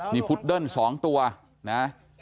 มีพุทธเดิ้น๒ตัวนะฮะ